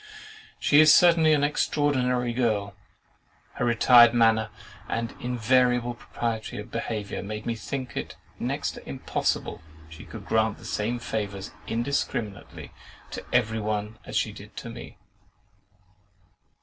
She is certainly an extraordinary girl! Her retired manner, and invariable propriety of behaviour made me think it next to impossible she could grant the same favours indiscriminately to every one that she did to me.